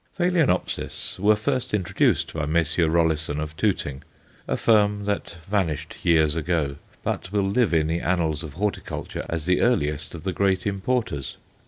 Phaloenopsis were first introduced by Messrs. Rollisson, of Tooting, a firm that vanished years ago, but will live in the annals of horticulture as the earliest of the great importers.